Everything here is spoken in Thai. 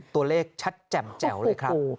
ตัวเลขชัดแจ่มแจ๋วเลยครับ